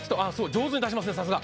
上手に出しますね、さすが。